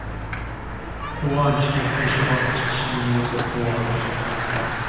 Quvonchga peshvoz chiqishning o‘zi quvonch.